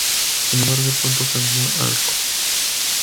Sin embargo, pronto cambió al rock.